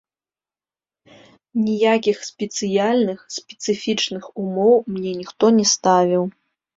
Ніякіх спецыяльных, спецыфічных умоў мне ніхто не ставіў.